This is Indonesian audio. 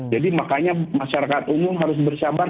jadi makanya masyarakat umum harus bersabar